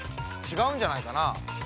ちがうんじゃないかな？